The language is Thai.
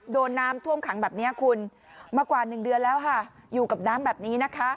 โดนน้ำท่วมขังแบบนี้คุณมากว่า๑เดือนแล้วค่ะอยู่กับน้ำแบบนี้นะคะ